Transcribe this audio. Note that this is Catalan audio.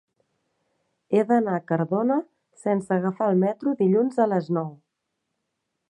He d'anar a Cardona sense agafar el metro dilluns a les nou.